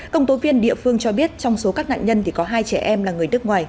công tố viên địa phương cho biết trong số các nạn nhân thì có hai trẻ em là người nước ngoài